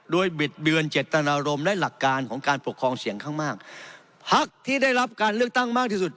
โดยบิดเบือนเจตนารมณ์และหลักการของการปกครองเสียงข้างมากพักที่ได้รับการเลือกตั้งมากที่สุด